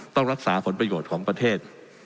ต้องรักษาผลประโยชน์ของประเทศ